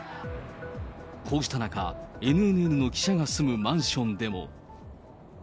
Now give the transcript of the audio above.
こうした中、ＮＮＮの記者が住むマンションでも。